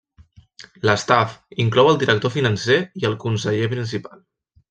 L'staff inclou el Director Financer i el Conseller Principal.